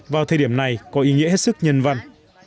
vào thời điểm này có ý nghĩa hết sức nhân văn